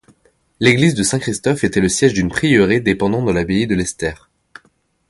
L'église de Saint-Christophe était le siège d'un prieuré dépendant de l'abbaye de Lesterps.